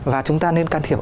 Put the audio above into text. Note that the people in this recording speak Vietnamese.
và chúng ta nên can thiệp